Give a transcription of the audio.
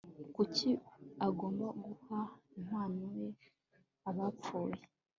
kuki agomba guha impano ye abapfuye